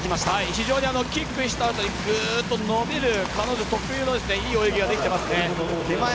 非常にキックしたあとにグーッと伸びる彼女特有のいい泳ぎができてます。